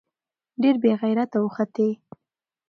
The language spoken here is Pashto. ډېر بې غېرته وختې.